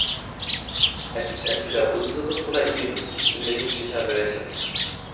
Es ist entweder unseres oder ihres, ich bin mir nicht sicher, welches.